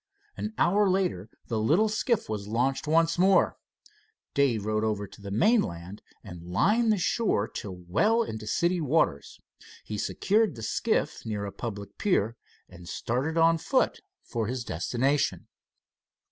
An hour later the little skiff was launched once more. Dave rowed over to the mainland and lined the shore till well into city waters. He secured the skiff near a public pier, and started on foot for his destination.